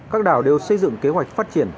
các đảo đều xây dựng kế hoạch phát triển